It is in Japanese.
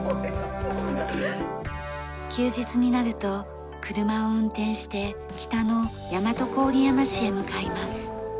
休日になると車を運転して北の大和郡山市へ向かいます。